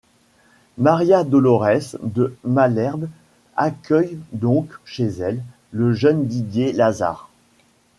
Maria-Dolorès de Malherbe accueille donc chez elle le jeune Didier Lazard.